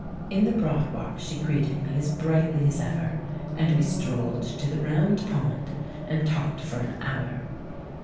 In the Broad Walk she greeted me as brightly as ever, and we strolled to the Round Pond, and talked for an hour.